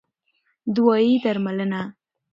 دوايي √ درملنه